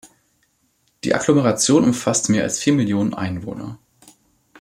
Die Agglomeration umfasst mehr als vier Millionen Einwohner.